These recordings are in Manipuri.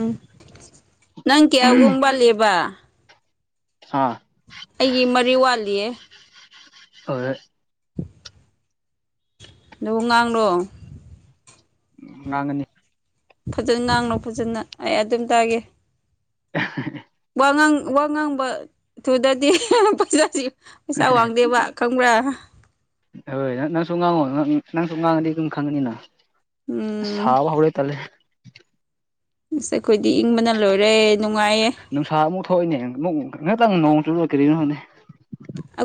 ꯎꯝ ꯅꯪ ꯀꯌꯥꯒꯣꯡꯕꯂꯦꯕ ꯍꯥꯥ ꯑꯩꯒꯤ ꯃꯔꯤ ꯋꯥꯠꯂꯤꯌꯦ ꯍ ꯂꯍ ꯉꯥꯡꯂꯣ ꯎ ꯅꯉꯅꯤ ꯐꯖꯅ ꯉꯥꯡꯂꯣ ꯐꯖꯅ ꯑꯩ ꯑꯗꯨꯝ ꯇꯥꯒꯦ [unintelligible] ꯋꯥꯥꯡ ꯋꯥ ꯉꯥꯡꯕ ꯊꯨꯗꯗꯤ ꯐꯖ ꯄꯩꯁꯥ ꯋꯥꯡꯗꯦꯕ ꯈꯪꯕ꯭ꯔꯥ ꯍꯣꯏ ꯅꯪ ꯅꯪꯁꯨ ꯉꯥꯡꯉꯣ ꯅꯪꯁꯨ ꯉꯥꯡꯉꯗꯤ ꯑꯗꯨꯝ ꯈꯪꯉꯅꯤꯅ ꯎꯝ ꯁꯥꯕꯥꯎꯔꯦ ꯇꯦ ꯑꯁ ꯑꯩꯈꯣꯏꯗꯤ ꯏꯪꯕꯅ ꯂꯣꯏꯔꯦ ꯅꯨꯡꯉꯥꯏꯌꯦ ꯅꯨꯡꯁꯥ ꯑꯃꯨꯛ ꯊꯣꯛꯏꯅꯦ ꯑꯃꯨꯛ ꯉꯥꯛꯇꯪ ꯅꯣꯡ ꯆꯨꯅ ꯀꯔꯤꯒꯤꯅꯣꯅꯦ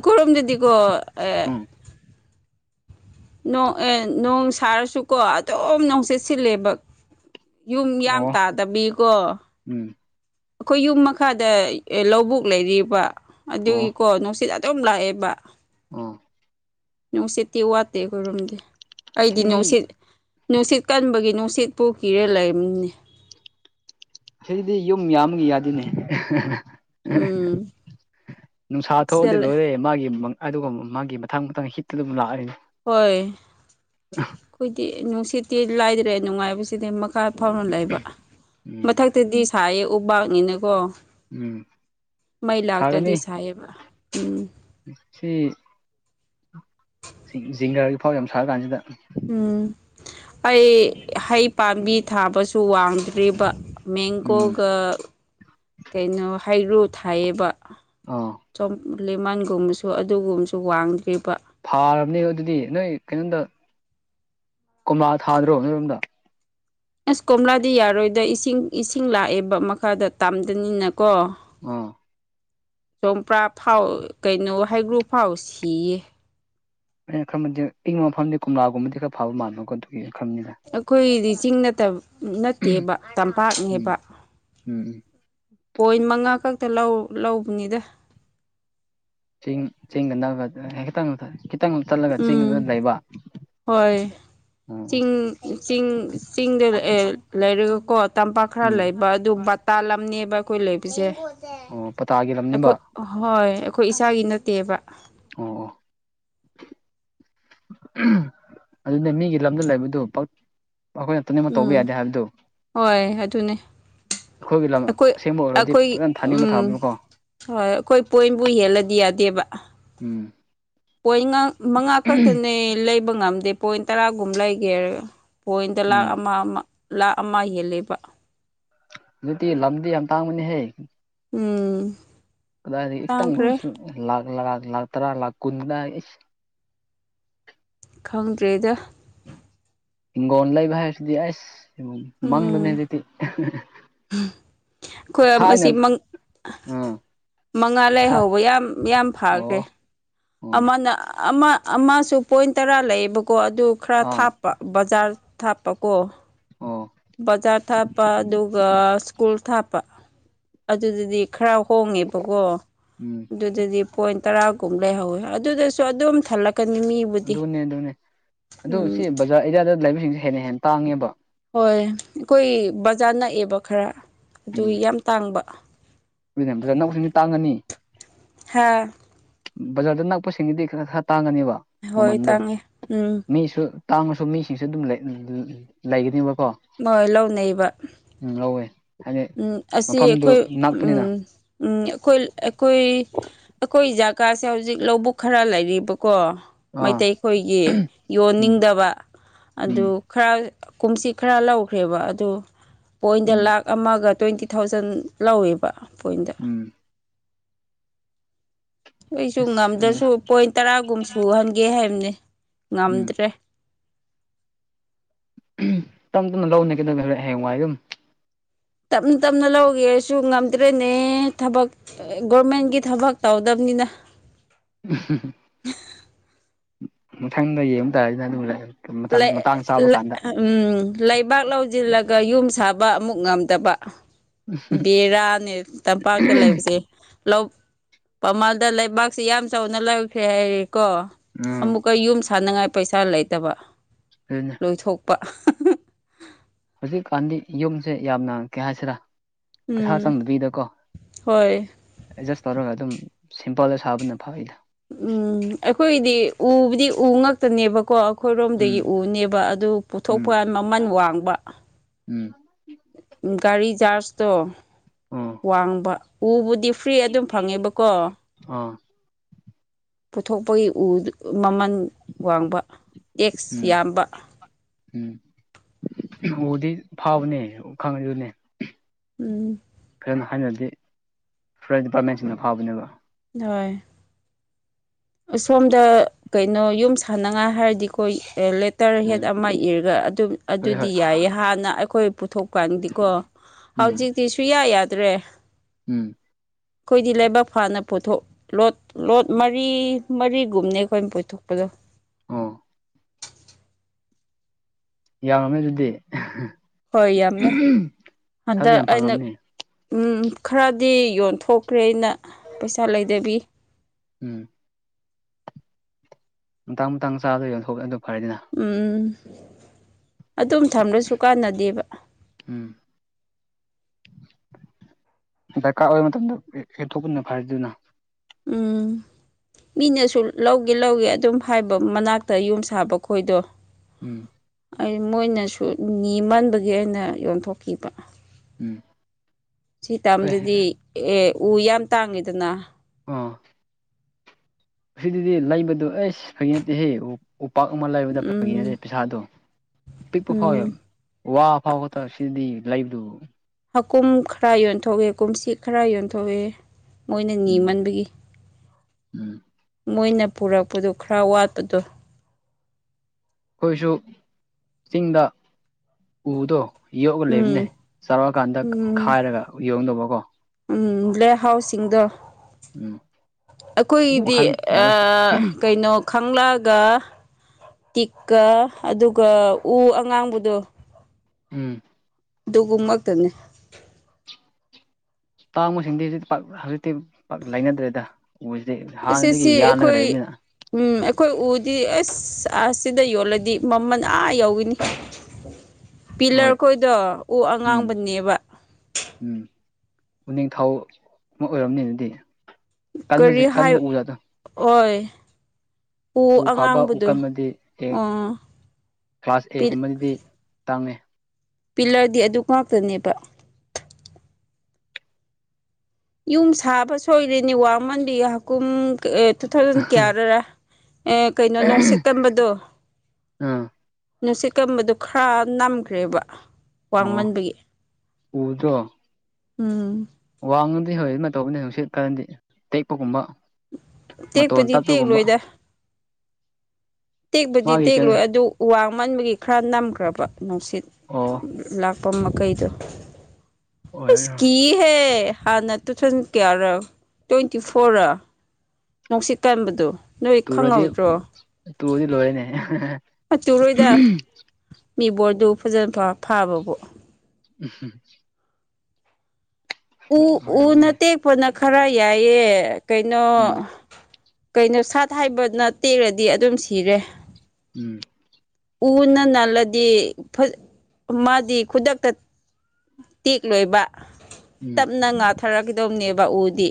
ꯀꯔꯨꯝ ꯗꯗꯤ ꯀ ꯎꯝ ꯣꯡ ꯑꯦ ꯅꯣꯡ ꯁꯥꯔꯁꯨꯀꯣ ꯑꯗꯨꯝ ꯣꯡꯆꯦꯠ ꯁꯤꯜꯂꯦꯕ ꯌꯨꯝ ꯌꯥꯝ ꯑꯣ ꯇꯥꯗꯕꯤꯀꯣ ꯎꯝ ꯑꯩꯈꯣꯏ ꯌꯨꯝ ꯃꯈꯥꯗ ꯂꯧꯕꯨꯛ ꯂꯩꯔꯤꯕ ꯑꯗꯨꯒꯤꯀꯣ ꯅꯨꯡꯁꯤꯠ ꯑꯗꯨꯝ ꯂꯥꯛꯑꯦꯕ ꯑꯥ ꯅꯨꯡꯁꯤꯠꯇꯤ ꯋꯥꯠꯇꯦ ꯈꯔꯨꯝꯝꯗꯦ ꯑꯩꯗꯤ ꯁꯤꯗꯤ ꯅꯨꯡꯁꯤꯠ ꯅꯨꯡꯁꯤꯠ ꯀꯟꯕꯒꯤ ꯅꯨꯡꯁꯤꯠꯄꯨ ꯀꯤꯔꯦ ꯂꯩꯔꯝꯅꯦ ꯑꯩꯗꯤ ꯌꯨꯝ ꯌꯥꯝꯒꯤ ꯌꯥꯗꯅꯦ ꯎꯝ ꯅꯨꯡꯁꯥ ꯁꯤꯗ ꯊꯣꯛꯑꯗꯤ ꯂꯩ ꯂꯣꯏꯔꯦ ꯃꯥꯒꯤ ꯑꯗꯨꯒ ꯃꯥꯒꯤ ꯃꯊꯪ ꯃꯊꯪ ꯍꯤꯠꯇ ꯑꯗꯨꯝ ꯂꯥꯛꯑꯅꯤ ꯍꯣꯏ ꯑꯩꯈꯣꯏꯗꯤ ꯅꯨꯡꯁꯤꯠꯇꯤ ꯂꯥꯏꯗ꯭ꯔꯦ ꯅꯨꯡꯉꯥꯏꯕꯁꯤꯗꯤ ꯀꯥ ꯐꯥꯎꯅ ꯂꯩꯕ ꯎꯝ ꯃꯊꯛꯇꯗꯤ ꯁꯥꯏꯌꯦ ꯎꯄꯥꯛꯥꯛꯅꯤꯅꯀꯣ ꯎꯝ ꯃꯩ ꯂꯥꯛꯇꯗꯤ ꯁꯥꯒꯅꯤ ꯁꯥꯏꯌꯦꯕ ꯎꯝ ꯁꯤ ꯤꯡꯅꯔꯒꯤ ꯐꯥꯎ ꯌꯥꯝ ꯁꯥꯔ ꯀꯥꯟꯁꯤꯗ ꯎꯝ ꯑꯩ ꯍꯩ ꯄꯥꯝꯕꯤ ꯊꯥꯕꯁꯨ ꯋꯥꯡꯗ꯭ꯔꯤꯕ ꯎꯝ ꯃꯦꯡꯒꯣꯒ ꯀꯩꯅꯣ ꯍꯩꯔꯨ ꯊꯥꯏꯌꯦꯕ ꯑꯥ ꯂꯦꯃꯟꯒꯨꯝꯕꯁꯨ ꯑꯗꯨꯒꯨꯝꯕꯁꯨ ꯋꯥꯡꯗ꯭ꯔꯤꯕ ꯄ ꯐꯥꯔꯕꯅꯦ ꯑꯗꯨꯗꯤ ꯅꯣꯏ ꯀꯩꯅꯣꯝꯗ ꯀꯣꯝꯂꯥ ꯊꯥꯗ꯭ꯔꯣ ꯅꯣꯏꯔꯣꯝꯗ ꯑꯁ ꯀꯣꯝꯂꯥꯗꯤ ꯌꯥꯔꯣꯏꯗ ꯏꯁꯤꯡ ꯏꯁꯤꯡ ꯂꯥꯛꯑꯦꯕ ꯃꯈꯥꯗ ꯇꯥꯝꯗꯅꯤꯅ ꯀ ꯑꯥ ꯆꯣꯝꯄ꯭ꯔꯥ ꯐꯥꯎ ꯀꯩꯅꯣ ꯍꯥꯏꯒ꯭ꯔꯨ ꯐꯥꯎ ꯁꯤꯌꯦ ꯑꯩꯅ ꯈꯔꯗꯤ ꯏꯪꯕ ꯃꯐꯝꯗꯤ ꯀꯣꯝꯂꯥꯒꯨꯝꯕꯗꯤ ꯈꯔ ꯐꯕ ꯃꯜꯂꯣꯀꯣ ꯑꯗꯨꯒꯤ ꯈꯟꯕꯅꯤꯗ ꯑꯩꯈꯣꯏꯗꯤ ꯆꯤꯡ ꯅꯠꯇꯕ ꯅꯠꯇꯦꯕ ꯎꯝ ꯇꯝꯄꯥꯛꯅꯦꯕ ꯎꯝ ꯎꯝ ꯄꯣꯏꯟ ꯃꯉꯥ ꯈꯛꯇ ꯂꯧꯕꯅꯤꯗ ꯆꯦꯡ ꯆꯦꯡꯒꯟꯗꯕ ꯍꯦ ꯇꯥꯡꯪ ꯊ ꯆꯠꯂꯒ ꯎꯝ ꯆꯤꯡꯗ ꯂꯩꯕ ꯍꯣꯏ ꯑꯣ ꯆꯤꯡ ꯆꯤꯡ ꯆꯤꯡꯗ ꯂꯩꯔꯒ ꯀꯣ ꯇꯝꯄꯥꯛ ꯈꯔ ꯎꯝ ꯂꯩꯕ ꯑꯗꯨ ꯕꯇꯥ ꯂꯝꯅꯦꯕ ꯑꯩꯈꯣꯏ ꯂꯩꯕꯁꯦ ꯑꯣ ꯄꯇꯥꯒꯤ ꯂꯝꯅꯤꯕ ꯑꯩꯈꯣꯏ ꯍꯣꯏ ꯑꯩꯈꯣꯏ ꯏꯁꯆꯥꯒꯤ ꯅꯠꯇꯦꯕ ꯑꯣ ꯑꯗꯨꯗ ꯃꯤꯒꯤ ꯂꯝꯗ ꯂꯩꯕꯗꯨ ꯑꯩꯈꯣꯏꯅ ꯇꯅꯃꯛ ꯇꯧꯕ ꯌꯥꯗꯦ ꯍꯥꯏꯕꯗꯨ ꯑꯗꯨꯅꯤ ꯑꯩꯈꯣꯏꯒꯤ ꯂꯝ ꯑꯁꯦꯡꯕ ꯑꯣꯏꯔꯗꯤ ꯐꯖꯅ ꯊꯥꯅꯤꯡꯕ ꯎꯝ ꯊꯥꯕꯅꯀꯣ ꯍꯣꯏ ꯑꯩꯈꯣꯏ ꯄꯣꯏꯟꯕꯨ ꯍꯦꯜꯂꯗꯤ ꯌꯥꯗꯦꯕ ꯎꯝ ꯄꯣꯏꯟ ꯃꯉꯥ ꯈꯛꯇꯅꯦ ꯂꯩꯕ ꯉꯝꯗꯦ ꯄꯣꯏꯟ ꯇꯔꯥꯒꯨꯝ ꯂꯩꯒꯦꯔ ꯄꯣꯏꯟꯗ ꯎꯝ ꯂꯥꯈ ꯑꯃ ꯑꯃ ꯂꯥꯥꯛ ꯑꯃ ꯍꯦꯜꯂꯤꯕ ꯑꯗꯨꯗꯤ ꯂꯝꯗꯤ ꯌꯥꯝ ꯇꯥꯡꯕꯅꯤꯍꯦ ꯎꯝ ꯀꯗꯥꯇꯪ ꯇꯥꯡꯈ꯭ꯔꯦ ꯂꯥꯛ ꯂꯥꯛ ꯂꯥꯛ ꯇꯔꯥ ꯂꯥꯛꯥꯛ ꯀꯨꯟꯗꯥ ꯈꯪꯗ꯭ꯔꯦꯗ ꯍꯤꯡꯒꯣꯜ ꯂꯩꯕ ꯍꯥꯏꯕꯁꯤꯗꯤ ꯑꯁ ꯃꯪꯂꯪꯂꯨꯅꯦ ꯎꯝ ꯑꯗꯨꯖꯤꯛꯇ ꯑꯩꯈꯣꯏ ꯃꯁꯤꯪ ꯑꯥ ꯃꯉꯥ ꯊꯥꯏ ꯂꯩꯍꯧꯕ ꯌꯥꯝ ꯌꯥꯝ ꯐꯈ꯭ꯔꯦ ꯑꯣ ꯑꯣ ꯑꯃꯅ ꯑꯃ ꯑꯃꯁꯨ ꯄꯣꯏꯟ ꯇꯔꯥ ꯂꯩꯌꯦꯕꯀꯣ ꯑꯗꯨ ꯈꯔ ꯑꯥ ꯊꯥꯞꯄ ꯕꯖꯥꯔ ꯊꯥꯞꯄꯀꯣ ꯑꯣ ꯕꯖꯥꯔ ꯊꯥꯞꯄ ꯑꯗꯨꯒ ꯁ꯭ꯀꯨꯜ ꯊꯥꯞꯄ ꯑꯗꯨꯗꯨꯗꯤ ꯈꯔ ꯍꯣꯡꯉꯦꯕꯀꯣ ꯎꯝ ꯑꯗꯨꯗꯗꯤ ꯄꯣꯏꯟ ꯇꯔꯥꯒꯨꯝ ꯂꯩꯍꯧꯋꯦ ꯑꯗꯨꯗꯁꯨ ꯑꯗꯨꯝ ꯊꯜꯂꯛ ꯑꯗꯨꯅꯦ ꯑꯗꯨꯅꯦ ꯑꯗꯨ ꯁꯤ ꯎꯝ ꯕꯖꯥꯔ ꯑꯦꯔꯤꯌꯥꯗ ꯂꯩꯥꯏꯕꯁꯤꯡꯁꯦ ꯍꯦꯟꯅ ꯍꯦꯟꯅ ꯇꯥꯡꯉꯦꯕ ꯍꯣꯏ ꯑꯩꯈꯣꯏ ꯕꯖꯥꯔ ꯅꯛꯑꯦꯕ ꯈꯔ ꯑꯗꯨ ꯌꯥꯝ ꯇꯥꯡꯕ ꯑꯅꯁꯤꯡꯅꯤ ꯇꯥꯡꯉꯅꯤ ꯍꯥꯥ ꯕꯖꯥꯔꯗ ꯅꯛꯄꯁꯤꯡꯒꯤꯗꯤ ꯈꯔ ꯈꯔ ꯇꯥꯡꯒꯅꯦꯕ ꯍꯣꯏ ꯃꯃꯟꯗꯣ ꯇꯥꯡꯉꯦ ꯎꯝ ꯃꯤꯁꯨ ꯇꯥꯡꯉꯁꯨ ꯃꯤꯁꯤꯡꯁꯨ ꯑꯗꯨꯝ ꯂꯩꯒꯅꯦꯕ ꯍꯣꯏ ꯂꯧꯅꯩꯕ ꯂꯧꯋꯦ ꯍꯥꯏꯗꯤ ꯎ ꯑꯁꯤ ꯃꯐꯝꯗꯨ ꯑꯩꯈꯣꯏ ꯎ ꯅꯛꯄꯅꯤꯅ ꯎ ꯑꯩꯈꯣꯏ ꯑꯩꯈꯣꯏ ꯑꯩꯈꯣꯏ ꯖꯥ ꯀꯀꯥꯁꯦ ꯍꯧꯖꯤꯛ ꯂꯧꯕꯨꯛ ꯈꯔ ꯂꯩꯔꯤꯕꯀꯣ ꯑꯥ ꯃꯩꯇꯩꯈꯣꯏꯒꯤ ꯎꯝ ꯌꯣꯟꯅꯤꯡꯗꯕ ꯎꯝ ꯑꯗꯨ ꯈꯔ ꯀꯨꯝꯆꯠ ꯈꯔ ꯂꯧꯈ꯭ꯔꯦꯕ ꯑꯗꯨ ꯄꯣꯏꯟꯗ ꯎꯝ ꯂꯥꯛ ꯑꯃꯒ ꯇ꯭ꯋꯦꯟꯇꯤ ꯊꯥꯎꯖꯟ ꯂꯧꯋꯦꯕ ꯄꯣꯏꯟꯗ ꯎꯝ ꯑꯩꯁꯨ ꯑꯁ ꯈꯪꯗꯦ ꯉꯝꯗ꯭ꯔꯁꯨ ꯄꯣꯏꯟ ꯇꯔꯥꯒꯨꯝ ꯁꯨꯍꯟꯒꯦ ꯍꯥꯏꯕꯅꯦ ꯎꯝ ꯉꯝꯗ꯭ꯔꯦ ꯇꯞ ꯇꯞꯅ ꯂꯧꯅ ꯀꯗꯧ ꯍꯔ ꯍꯌꯦꯡꯋꯥꯏ ꯑꯗꯨꯝ ꯇꯞꯅ ꯇꯞꯅ ꯂꯧꯒꯦꯔꯁꯨ ꯉꯝꯗ꯭ꯔꯦꯅꯦ ꯊꯕꯛ ꯒꯣꯔꯃꯦꯟꯒꯤ ꯊꯕꯛ ꯇꯧꯗꯕꯅꯤ ꯅꯤꯅ ꯃꯊꯪꯗ ꯌꯦꯡꯨ ꯇꯥꯔꯁꯤꯅ ꯑꯗꯨꯝ ꯂꯥꯛꯑ ꯎꯝ ꯂꯩꯕꯥꯛ ꯂꯧꯁꯤꯜꯂꯒ ꯌꯨꯝ ꯁꯥꯕ ꯑꯃꯨꯛ ꯉꯝꯗꯕ ꯕꯦꯔꯥꯅꯦ ꯇꯝꯄꯥꯛꯇ ꯂꯩꯕꯁꯦ ꯂꯧ ꯃꯃꯜꯗ ꯂꯩꯕꯥꯛꯁꯤ ꯌꯥꯝ ꯆꯥꯎꯅ ꯂꯧꯈ꯭ꯔꯦ ꯍꯥꯏꯔꯦꯀꯣ ꯎꯝ ꯑꯃꯨꯛꯀ ꯌꯨꯝ ꯊꯥꯅꯉꯥꯏ ꯄꯩꯁꯥ ꯂꯩꯇꯕ ꯑꯗꯨꯅꯦ ꯂꯣꯏꯊꯣꯛꯄ ꯍꯧꯖꯤꯛꯀꯥꯟꯗꯤ ꯌꯨꯝꯁꯦ ꯌꯥꯝꯅ ꯀꯩ ꯍꯥꯏꯁꯤꯔꯥ ꯄꯩꯁꯥ ꯎꯝ ꯆꯪꯗꯕꯤꯗꯀꯣ ꯍꯣꯏ ꯑꯦꯠꯖꯁ ꯇꯧꯔꯒ ꯑꯗꯨꯝ ꯁꯤꯝꯄꯜꯗ ꯁꯥꯕꯅ ꯐꯋꯗ ꯎꯝ ꯑꯩꯈꯣꯏꯒꯤꯗꯤ ꯎꯕꯨꯗꯤ ꯎ ꯉꯛꯇꯅꯦꯕꯀꯣ ꯎꯝ ꯑꯩꯈꯣꯏꯔꯣꯝꯗꯒꯤ ꯎꯅꯦꯕ ꯑꯗꯨ ꯎꯝ ꯄꯨꯊꯣꯛꯄ ꯃꯃꯜ ꯋꯥꯡꯕ ꯎꯝ ꯒꯥꯔꯤ ꯆꯖꯥꯔꯖꯇꯣ ꯑꯣ ꯋꯥꯡꯕ ꯎꯕꯨꯗꯤ ꯐ꯭ꯔꯤ ꯑꯗꯨꯝ ꯐꯪꯉꯦꯕꯀꯣ ꯑꯥ ꯄꯨꯊꯣꯛꯄꯒꯤ ꯎ ꯃꯃꯜ ꯋꯥꯡꯕ ꯇꯦꯛꯁ ꯎꯝ ꯌꯥꯝꯕ ꯎꯝ ꯎꯗꯤ ꯐꯥꯎꯕꯅꯦ ꯈꯪꯉꯅꯦ ꯎꯝ ꯑꯗꯨꯅ ꯍꯥꯏꯅꯗꯤ ꯐꯣꯔꯦꯁ ꯗꯤꯄꯥꯔꯠꯃꯦꯟꯁꯤꯅ ꯐꯥꯕꯅꯦꯕ ꯍꯣꯏ ꯑꯁꯣꯝꯗ ꯀꯩꯅꯣ ꯌꯨꯝ ꯁꯥꯟꯅꯉꯥꯏ ꯍꯥꯏꯔꯗꯤ ꯑꯩꯈꯣꯏ ꯇꯦꯛꯇꯔ ꯍꯦꯠ ꯎꯝ ꯑꯃ ꯏꯔꯒ ꯑꯗꯨꯝ ꯍꯣꯏ ꯑꯗꯨꯗꯤ ꯍꯣꯏ ꯌꯥꯏꯌꯦ ꯍꯥꯟꯅ ꯑꯩꯈꯣꯏ ꯄꯨꯊꯣꯛꯀꯥꯟꯗꯤꯀꯣ ꯎꯝ ꯍꯧꯖꯤꯛꯇꯤ ꯁꯨꯌꯥ ꯌꯥꯗ꯭ꯔꯦ ꯎꯝ ꯑꯩꯈꯣꯏꯗꯤ ꯂꯩꯕꯥꯛ ꯐꯥꯅ ꯄꯨꯣꯊꯣꯛ ꯂꯣꯠ ꯂꯣꯠ ꯃꯔꯤ ꯃꯔꯤꯒꯨꯝꯅꯦ ꯑꯩꯈꯣꯏꯅ ꯀꯣꯏꯊꯣꯛꯄꯗꯣ ꯑ ꯌꯥꯝ ꯉꯝꯃꯦ ꯑꯗꯨꯗꯤ ꯍꯣꯏ ꯌꯥꯝꯃꯦ ꯑꯗ ꯄꯩꯁꯥꯁꯨ ꯌꯥꯝ ꯑꯩꯅ ꯐꯪꯉꯝꯅꯤ ꯎꯝ ꯈꯔꯗꯤ ꯌꯣꯟꯊꯣꯛꯈ꯭ꯔꯦ ꯑꯩꯅ ꯄꯩꯁꯥ ꯂꯩꯗꯕꯤ ꯎꯝ ꯃꯇꯥꯡ ꯃꯇꯥꯡ ꯆꯥꯗꯣꯏ ꯌꯣ ꯊꯣꯛꯂꯦ ꯑꯗꯨꯣ ꯎꯝ ꯑꯗꯨꯝ ꯊꯝꯂꯁꯨ ꯀꯥꯟꯅꯗꯦꯕ ꯎꯝ ꯗꯔꯀꯥꯔ ꯑꯣꯏꯕ ꯃꯇꯝꯗ ꯍ ꯊꯣꯛꯣꯛꯄꯟꯅ ꯐꯔꯤꯗꯨꯅ ꯎꯝ [inaudible] ꯃꯤꯅꯁꯨ ꯂꯧꯒꯦ ꯂꯧꯒꯦ ꯑꯗꯨꯝ ꯍꯥꯏꯕ ꯃꯅꯥꯛꯇ ꯌꯨꯝ ꯁꯥꯕ ꯈꯣꯏꯗꯣ ꯎꯝ ꯑꯩ ꯃꯣꯏꯅꯁꯨ ꯅꯤ ꯃꯟꯕꯒꯤ ꯑꯩꯅ ꯌꯣꯟꯊꯣꯛꯈꯤꯕ ꯎꯝ ꯁꯤ ꯍꯣꯏ ꯇꯥꯝꯗꯗꯤ ꯑꯦ ꯎ ꯌꯥꯝ ꯇꯥꯡꯉꯤꯗꯅ ꯑꯥ ꯑꯁꯤꯗꯤ ꯂꯩꯕꯗꯣ ꯑꯁ ꯐꯩ ꯅꯠꯇꯦꯍꯦ ꯑꯣ ꯎꯄꯥꯛ ꯑꯃ ꯂꯩꯕꯗ ꯎꯝ ꯐꯈꯤꯁꯦ ꯄꯩꯁꯥꯗꯨꯣ ꯄꯤꯛꯄ ꯐꯥꯎꯋꯦ ꯎꯝ ꯋꯥ ꯐꯥꯎꯕ ꯇꯦ ꯁꯤꯗꯤ ꯂꯩꯕꯗꯨ ꯍꯥꯀꯨꯝ ꯈꯔ ꯌꯣꯟꯊꯣꯛꯑꯦ ꯀꯨꯝꯁꯤ ꯈꯔ ꯌꯣꯟꯊꯣꯛꯑꯦ ꯃꯣꯏꯅ ꯎꯝ ꯅꯤꯃꯟꯕꯒꯤ ꯎꯝ ꯃꯣꯏꯅ ꯄꯨꯔꯛꯄꯗꯣ ꯈꯔ ꯋꯥꯠꯄꯗꯣ ꯑꯩꯈꯣꯏꯁꯨ ꯆꯤꯡꯗ ꯎꯗꯣ ꯌꯣꯛꯂ ꯂꯩꯕꯅꯦ ꯎꯝ ꯆꯥꯔꯛꯑꯀꯥꯟꯗ ꯈꯥꯏꯔꯒ ꯌꯣꯡꯗꯧꯕꯀꯣ ꯂꯦꯍꯥꯎꯁꯁꯤꯡꯗꯣ ꯎꯝ ꯎ ꯑꯩꯈꯣꯏꯒꯤꯗꯤ ꯃꯈꯜ ꯑ ꯌꯥꯝꯃꯦ ꯀꯩꯅꯣ ꯈꯪꯂꯛꯑꯒ ꯇꯤꯛꯀ ꯑꯗꯨꯒ ꯎ ꯑꯉꯥꯡꯕꯗꯣ ꯎꯝ ꯑꯗꯨꯒꯨꯝꯃꯛꯇꯅꯦ ꯇꯥꯡꯕꯁꯤꯡꯗꯤ ꯍꯧꯖꯤꯛꯇ ꯄꯥꯛ ꯍꯧꯖꯤꯛꯇꯤ ꯄꯥꯛ ꯂꯩꯅꯗ꯭ꯔꯦꯗ ꯎꯁꯤꯗꯤ ꯑꯁ ꯍꯥꯟꯅꯗꯒꯤ ꯁꯤ ꯌꯥꯜꯂꯒ ꯑꯩꯈꯣꯏ ꯂꯩꯕꯅꯤꯅ ꯎꯝ ꯑꯩꯈꯣꯏ ꯎꯗꯤ ꯑꯁ ꯑꯁꯤꯗ ꯌꯣꯜꯂꯗꯤ ꯃꯃꯜ ꯑꯥ ꯌꯥꯎꯏꯤꯅꯤ ꯍꯣꯏ ꯄꯤꯂꯔꯈꯣꯏꯗꯣ ꯎ ꯎꯝ ꯑꯉꯥꯡꯕꯅꯦꯕ ꯎꯝ ꯎꯅꯤꯡꯊꯧ ꯑꯃ ꯑꯣꯏꯔꯝꯅꯤꯅꯗꯤ ꯀꯔꯤ ꯍꯥꯏ ꯑꯣꯏ ꯎ ꯐꯥꯕ ꯎꯀꯜꯃꯗꯤ ꯑꯣ ꯀ꯭ꯂꯥꯁ ꯑꯦꯒꯨꯝꯕꯗꯤ ꯇꯥꯡꯉꯤ ꯄꯤꯂꯔꯗꯤ ꯑꯗꯨ ꯉꯥꯛꯇꯅꯦꯕ ꯌꯨꯝ ꯁꯥꯕ ꯁꯣꯏꯔꯅꯤ ꯋꯥꯡꯃꯟꯕꯤ ꯍꯥꯀꯨꯝ ꯑꯦ ꯇꯨ ꯊꯥꯎꯖꯟ ꯀꯌꯥꯔꯔꯥ ꯑꯦ ꯀꯩꯅꯣ ꯅꯨꯡꯁꯤꯠꯀꯟꯝꯕꯗꯣ ꯑꯥ ꯅꯨꯡꯁꯤꯠ ꯀꯝꯕꯗꯨ ꯈꯔ ꯅꯝꯈ꯭ꯔꯦꯕ ꯑꯣ ꯋꯥꯡꯃꯟꯕꯒꯤ ꯎꯝ ꯋꯥꯡ ꯉꯗꯤ ꯍꯧꯣꯏ ꯃꯇꯧꯅꯤ ꯁꯅꯨꯡꯁꯤꯠ ꯀꯔꯗꯤ ꯇꯦꯛꯄꯒꯨꯝꯕ ꯃ ꯑꯣ ꯇꯦꯛꯄꯗꯤ ꯇ ꯇ ꯀꯨꯝꯕ ꯇꯦꯛꯂꯣꯏꯗ ꯇꯦꯛꯄꯗꯤ ꯇꯦꯛꯂꯣꯏ ꯑꯗꯨ ꯋꯥꯡꯃꯟꯕꯒꯤ ꯈꯔ ꯅꯝꯈ꯭ꯔꯕ ꯅꯨꯡꯁꯤꯠ ꯑꯣ ꯄ ꯃ ꯑꯣꯏꯔꯔꯣꯏ ꯀꯩꯗꯨꯀꯤ ꯍꯦ ꯍꯥꯟꯅ ꯇꯨ ꯊꯥꯎꯖꯟ ꯀꯌꯥ ꯇ꯭ꯋꯦꯟꯇꯤ ꯐꯣꯔ ꯅꯨꯡꯁꯤꯠ ꯀꯥꯟꯕꯗꯨꯣ ꯅꯣꯏ ꯈꯪꯍꯧꯗ꯭ꯔꯣ ꯇꯨꯗꯤ ꯂꯣꯏꯔꯦꯅꯦ ꯑꯗꯨꯨꯔꯣꯏꯗ ꯃꯤꯕꯣꯔꯗꯨ ꯐꯖꯅ ꯐꯥꯕꯕꯨꯣ ꯎꯝꯝ ꯎ ꯎꯅ ꯑꯣꯏꯔꯝꯒꯅꯤ ꯇꯦꯛꯄꯅ ꯈꯔ ꯌꯥꯏꯑ ꯀꯩꯅꯣ ꯎꯝ ꯀꯩꯅꯣ ꯁꯥꯠ ꯍꯥꯏꯕ ꯅꯠꯇꯦꯛꯔꯗꯤ ꯑꯗꯨꯝ ꯁꯤꯔꯦ ꯎꯝ ꯎꯅ ꯅꯥꯜꯂꯗꯤ ꯃꯥꯗꯤ ꯈꯨꯗꯛꯇ ꯇꯦꯛ ꯂꯣꯏꯕ ꯎꯝ ꯇꯞꯅ ꯉꯥꯊꯔꯛꯈꯤꯗꯧꯅꯦꯕ ꯎꯗꯤ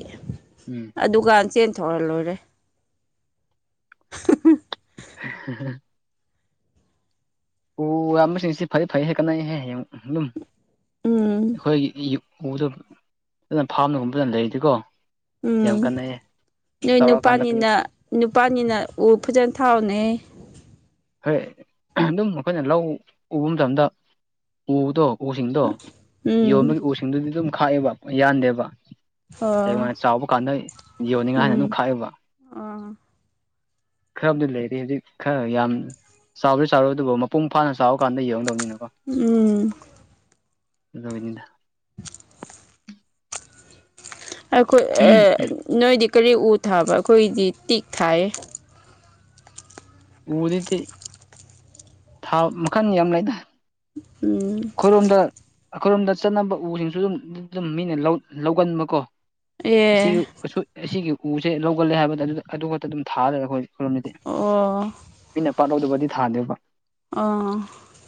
ꯎꯝ ꯑꯗꯨꯒ ꯆꯦꯟ ꯊꯣꯔ ꯂꯣꯏꯔꯦ [unintelligible] ꯑꯣ ꯌꯥꯝꯌꯥꯝꯕꯁꯤꯡꯁꯤ ꯐꯩ ꯐꯩ ꯍꯦꯛ ꯀꯠꯟꯅꯍ ꯍꯌꯦꯡ ꯑꯗꯨꯝ ꯎꯝ ꯑꯩꯈꯣꯏꯒꯤ ꯎꯗꯣ ꯐꯖꯅ ꯐꯥꯝꯅꯒꯨꯝꯕ ꯑꯗꯨꯅ ꯂꯩꯔꯤꯗꯤꯀꯣ ꯎꯝ ꯅꯣꯏ ꯆꯥꯎꯔꯛꯑꯀꯥꯟꯗ ꯅꯨꯄꯥꯅꯤꯅ ꯅꯨꯄꯥꯅꯤꯅ ꯐꯖꯅ ꯊꯥꯎꯅꯦ ꯍꯣꯏ ꯑꯗꯨꯝ ꯑꯩꯈꯣꯏꯅ ꯂꯧ ꯎꯕ ꯃꯇꯝꯗ ꯎꯕꯗꯣ ꯎꯁꯤꯡꯗꯣ ꯎꯝ ꯌꯣꯟꯕꯒꯤ ꯎꯁꯤꯡꯗꯨꯗꯤ ꯑꯗꯨꯝ ꯈꯥꯛꯑꯦꯕ ꯌꯥꯟꯗꯦꯕ ꯍꯉ ꯑꯣ ꯆꯥꯎꯕ ꯀꯥꯟꯗ ꯌꯣꯟꯅꯤꯡꯉ ꯍꯥꯏꯅ ꯎꯝ ꯑꯗꯨꯝ ꯈꯥꯏꯑꯦꯕ ꯑꯣ ꯈꯔꯕꯨꯗꯤ ꯂꯩꯔꯤ ꯍꯧꯖꯤꯛ ꯈꯔ ꯌꯥꯝ ꯆꯥꯎꯔꯗꯤ ꯆꯥꯎꯔꯣꯏ ꯑꯗꯨꯕꯨ ꯃꯄꯨꯡ ꯐꯥꯅ ꯆꯥꯎꯕ ꯀꯥꯟꯗ ꯌꯡꯗꯧꯅꯤꯅ ꯎꯝ ꯑꯗꯨꯅꯤꯗ [unintelligible] ꯑꯩꯈꯣꯏ ꯅꯣꯏꯗꯤ ꯀꯔꯤ ꯎ ꯊꯥꯕ ꯑꯩꯈꯣꯏꯗꯤ ꯇꯤꯛ ꯊꯥꯏ ꯎꯗꯗꯤ ꯊꯥ ꯃꯈꯟ ꯌꯥꯝ ꯂꯩꯗ ꯎꯝ ꯈꯨꯔꯨꯝꯗ ꯑꯩꯈꯣꯏꯔꯣꯝꯗ ꯆꯠꯅꯕ ꯎꯁꯤꯡꯁꯨ ꯑꯗꯨꯝ ꯑꯗꯨꯝ ꯃꯤꯅ ꯂꯧꯒꯟꯕꯀꯣ ꯑꯁꯤꯒꯤ ꯑꯦ ꯑꯁꯤꯒꯤ ꯎꯁꯦ ꯂꯧꯒꯜꯂꯦ ꯍꯥꯏꯕꯗ ꯑꯗꯨ ꯑꯗꯨ ꯈꯛꯇ ꯑꯗꯨꯝ ꯊꯥꯔꯒ ꯑꯩꯈꯣꯏ ꯑꯣ ꯄꯥꯣꯗꯨꯕꯨꯗꯤ ꯊꯥꯗꯦꯕ ꯑꯣ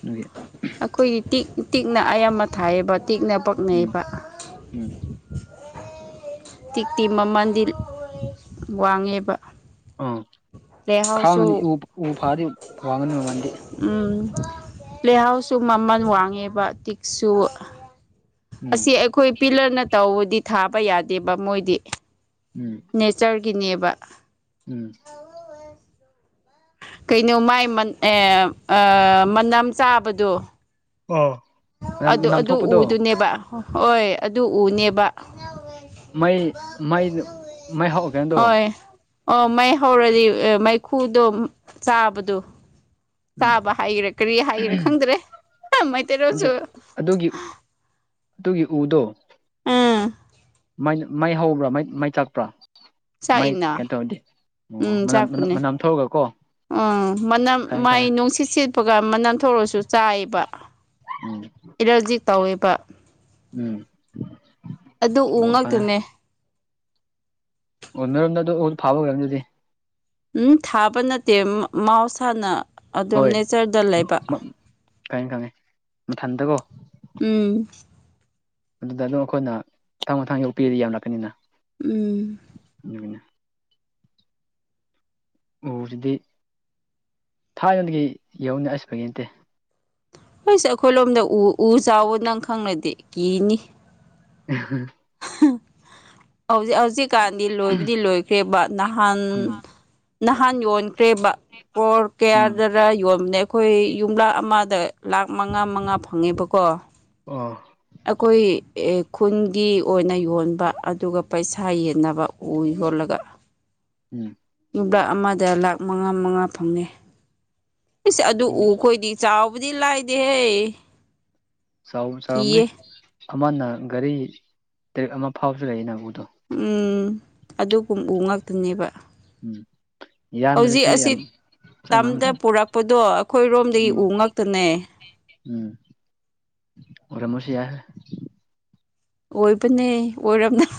ꯑꯗꯨꯒꯤ ꯑꯩꯈꯣꯏꯒꯤ ꯇꯤꯛ ꯇꯤꯛꯅ ꯑꯌꯥꯝꯕ ꯊꯥꯏꯌꯦꯕ ꯇꯤꯛꯅ ꯎꯝ ꯄꯛꯅꯩꯕ ꯎꯝ ꯇꯤꯛꯇꯤ ꯃꯃꯜꯗꯤ ꯋꯥꯡꯉꯦꯕ ꯑ ꯂꯩꯍꯥꯎꯁꯨ ꯈꯥꯅꯤ ꯎ ꯐꯥꯗꯤ ꯋꯥꯉꯅꯤꯃꯟꯗꯤ ꯎꯝ ꯄ꯭ꯂꯦꯍꯥꯎꯁꯁꯨ ꯃꯃꯜ ꯋꯥꯡꯉꯦꯕ ꯇꯤꯛꯁꯨ ꯎꯝ ꯑꯁꯤ ꯑꯩꯈꯣꯏ ꯄꯤꯂꯔꯅ ꯇꯧꯕꯗꯤ ꯊꯥꯕ ꯌꯥꯗꯦꯕ ꯃꯣꯏꯗꯤ ꯎꯝ ꯅꯦꯆꯔ ꯒꯤꯅꯦꯕ ꯎꯝ ꯀꯩꯅꯣ ꯃꯥꯏ ꯃꯅꯝ ꯆꯥꯕꯗꯣ ꯃꯅꯝ ꯑꯗꯨ ꯃꯅꯝ ꯑꯗꯨ ꯊꯣꯛꯄꯗꯣ ꯎꯗꯨꯅꯦꯕ ꯍꯣꯏ ꯑꯗꯨ ꯎꯅꯦꯕ ꯃꯩ ꯃꯩ ꯃꯩ ꯍꯥꯎꯑꯒꯦꯗꯣ ꯍꯣꯏ ꯑꯣ ꯃꯩ ꯍꯧꯔꯗꯤ ꯃꯩꯈꯨꯗꯣ ꯆꯥꯕꯗꯣ ꯎꯝ ꯆꯥꯕ ꯍꯥꯏꯒꯦꯔꯥ ꯀꯔꯤ ꯍꯥꯏꯒꯦꯔꯥ ꯈꯪꯗ꯭ꯔꯦ ꯑꯗꯨ ꯃꯩꯇꯩꯔꯣꯁꯨ ꯑꯗꯨꯒꯤ ꯑꯗꯨꯒꯤ ꯎꯗꯣ ꯑꯥ ꯃꯥꯏ ꯍꯧꯕ꯭ꯔꯥ ꯃꯩ ꯃꯥꯏ ꯆꯥꯛꯄ꯭ꯔꯥ ꯃꯥꯏ ꯆꯥꯛꯏꯅ ꯀꯩꯅꯣ ꯇꯧꯔꯗꯤ ꯑꯣ ꯎꯝ ꯃꯅꯝ ꯆꯥꯛꯄꯅꯦ ꯃꯅꯝ ꯊꯣꯛꯑꯒꯀꯣ ꯎꯝ ꯃꯅꯝ ꯈꯪꯉꯦ ꯃꯥꯏ ꯅꯨꯡꯁꯤꯠ ꯁꯦꯠꯄꯒ ꯃꯅꯝ ꯊꯔꯁꯨ ꯆꯥꯏꯌꯦꯕ ꯈꯪꯉꯦ ꯑꯦꯂꯔꯖꯤ ꯇꯧꯋꯦꯕ ꯎꯝ ꯑꯗꯨ ꯎ ꯎꯝ ꯑꯣ ꯉꯛꯇꯅꯦ ꯎꯟꯅꯗ ꯐꯥꯕꯒꯝꯗꯤ ꯎꯝ ꯊꯥꯕ ꯅꯠꯇꯦ ꯃꯍꯧꯁꯥꯅ ꯑꯗꯨꯝ ꯅꯦꯆꯔꯗ ꯂꯩꯕ ꯈꯪꯦ ꯈꯪꯉꯦ ꯃꯊꯟꯗꯀꯣ ꯎꯝ ꯑꯗꯨꯗ ꯑꯗꯨꯝ ꯑꯩꯈꯣꯏꯅ ꯊꯊꯥꯡ ꯃꯊꯥꯡ ꯌꯣꯛꯄꯤꯔꯗꯤ ꯌꯥꯝ ꯂꯛꯀꯅꯤꯅ ꯎꯝ ꯎꯁꯤꯗꯤ ꯊꯥꯏ ꯌꯣꯟꯗꯒꯤ ꯌꯧꯅꯤ ꯑꯁꯕꯒꯤ ꯅꯠꯇꯦ ꯑꯩꯣꯏꯁꯦ ꯑꯩꯈꯣꯏ ꯂꯣꯝꯗ ꯎ ꯎ ꯆꯥꯎꯕ ꯅꯪ ꯈꯪꯂꯅꯗꯤꯦ ꯀꯤꯅꯤ [unintelligible] ꯍꯧꯖꯤꯛ ꯍꯧꯖꯤꯛꯀꯥꯟꯗꯤ ꯂꯣꯏꯕꯨꯗꯤ ꯂꯣꯏꯈ꯭ꯔꯦꯕ ꯅꯍꯥꯟ ꯎꯝ ꯅꯍꯥꯟ ꯌꯣꯟꯈ꯭ꯔꯦꯕ ꯀꯣꯔ ꯎꯝ ꯀꯌꯥꯗꯔ ꯌꯣꯟꯕꯅꯦ ꯑꯩꯈꯣꯏ ꯌꯨꯝꯂꯥ ꯑꯃ ꯗ ꯂꯥꯛ ꯃꯉꯥ ꯃꯉꯥ ꯐꯪꯉꯦꯕꯀꯣ ꯑꯣ ꯑꯩꯈꯣꯏ ꯈꯨꯟꯒꯤ ꯑꯣꯏꯅ ꯌꯣꯟꯕ ꯑꯗꯨꯒ ꯄꯩꯁꯥ ꯌꯦꯟꯅꯕ ꯎꯏ ꯌꯣ ꯂꯒ ꯎꯝ ꯂ ꯂꯥꯛ ꯑꯃꯗ ꯂꯥꯛ ꯃꯉꯥ ꯃꯉꯥ ꯐꯪꯉꯦꯁ ꯑꯗꯨ ꯎ ꯎꯈꯣꯏꯗꯤ ꯆꯥꯎ ꯕꯨꯗꯤ ꯂꯩꯥꯏꯗꯤꯦꯍꯦ ꯆꯥꯎ ꯆꯥꯎꯔꯝꯅꯤ ꯑꯃꯅ ꯒꯥꯔꯤ ꯇꯔꯦ ꯑꯃ ꯐꯥꯎꯁꯨ ꯂꯩꯏꯅ ꯎꯗ ꯎꯝ ꯑꯗꯨꯒꯨꯝ ꯎ ꯉꯥꯛꯇꯅꯦꯕ ꯍꯧꯖꯤꯛ ꯌꯥꯝꯕꯅꯁꯨ ꯑꯁꯤ ꯌꯥꯝ ꯇꯝꯗ ꯆꯪꯉꯝꯗ ꯄꯨꯔꯛꯄꯗꯣ ꯑꯩꯈꯣꯏꯔꯣꯝꯗꯒꯤ ꯎꯝ ꯎ ꯉꯛꯇꯅꯦ ꯎꯝ ꯑꯣꯔꯃꯣꯁ ꯌꯥꯦ ꯑꯣꯏꯕꯅꯦ ꯑꯣꯏꯔꯕꯔꯕꯅ